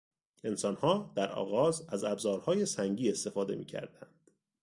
انسانها در آغاز از ابزارهای سنگی استفاده میکردند.